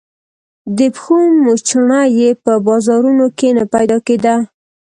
د پښو موچڼه يې په بازارونو کې نه پيدا کېده.